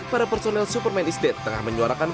para personel superman is dead tengah menyuarakan